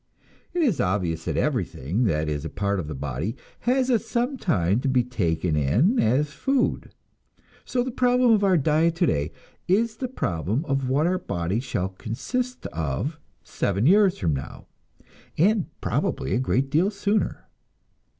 It is obvious that everything that is a part of the body has at some time to be taken in as food; so the problem of our diet today is the problem of what our body shall consist of seven years from now, and probably a great deal sooner.